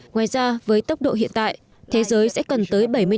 ngoài ra với tốc độ hiện tại